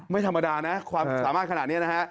ไม่ธรรมดานะความสามารถขนาดนี้นะฮะ